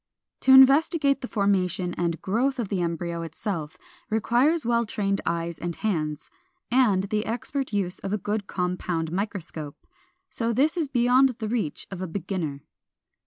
To investigate the formation and growth of the embryo itself requires well trained eyes and hands, and the expert use of a good compound microscope. So this is beyond the reach of a beginner.